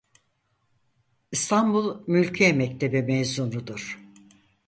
İstanbul Mülkiye Mektebi mezunudur.